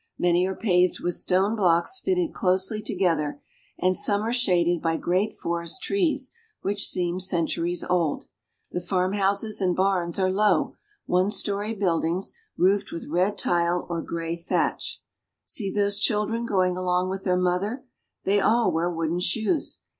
Many are paved with stone blocks fitted closely together, and some are shaded by great forest trees which seem centuries old. The farmhouses and barns are low, one story buildings roofed with red tile or gray thatch. See those chil Belgian Peasant. dren going along with their mother. They all wear wooden shoes.